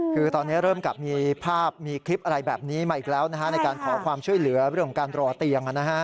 คือตอนนี้เริ่มกลับมีภาพมีคลิปอะไรแบบนี้มาอีกแล้วในการขอความช่วยเหลือเรื่องของการรอเตียง